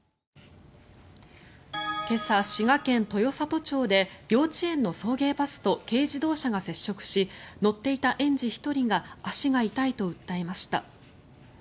今朝、滋賀県豊郷町で幼稚園の送迎バスと軽自動車が接触し乗っていた園児１人が足が痛いと訴えました。